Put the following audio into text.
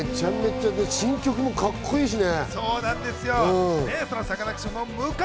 新曲もカッコいいしね。